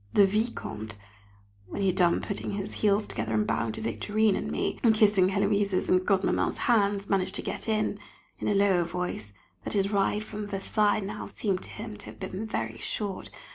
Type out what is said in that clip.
The Vicomte when he had done putting his heels together and bowing to Victorine and me, and kissing Héloise's and Godmamma's hands managed to get in, in a lower voice, that his ride from Versailles now seemed to him to have been very short.